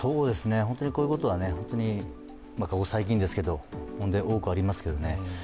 本当にこういうことはここ最近ですけど多くありますけどね